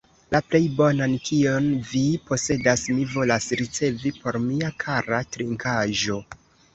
La plej bonan, kion vi posedas, mi volas ricevi por mia kara trinkaĵo!